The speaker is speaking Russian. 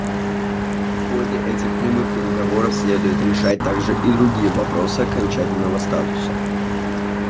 В ходе этих прямых переговоров следует решать также и другие вопросы окончательного статуса.